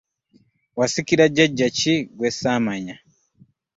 Wasikira jjajja ki gwe ssaamanya?